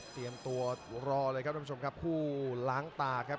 เตรียมตัวรอเลยครับท่านผู้ล้างตากครับ